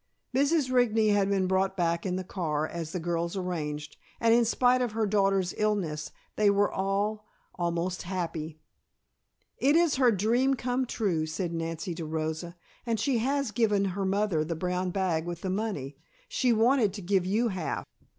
Mrs. Rigney had been brought back in the car, as the girls arranged, and in spite of her daughter's illness they were all almost happy. "It is her dream come true," said Nancy to Rosa. "And she has just given her mother the brown bag with the money. She wanted to give you half."